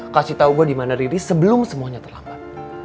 kasih tau gue dimana riri sebelum semuanya terlambat